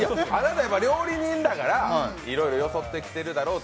料理人だからいろいろよそってきてるだろうと。